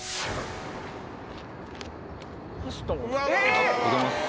おはようございます。